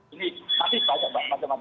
ini tapi banyak macam macam